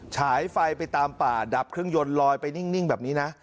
ฉายไฟไปตามป่าดับเครื่องยนต์ลอยไปนิ่งแบบนี้นะ